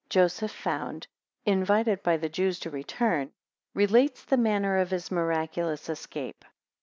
6 Joseph found. 11 Invited by the Jews to return. 19 Relates the manner of his miraculous escape.